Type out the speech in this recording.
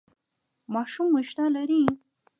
ماشوم مو اشتها لري؟